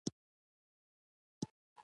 • د باغ په منځ کې کښېنه.